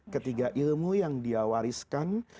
ketiga ilmu yang dia wariskan